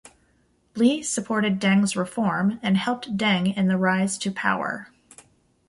Li supported Deng's reform and helped Deng in the rise to power.